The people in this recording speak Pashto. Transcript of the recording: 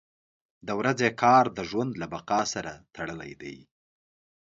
• د ورځې کار د ژوند له بقا سره تړلی دی.